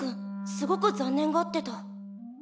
すごく残念がってた。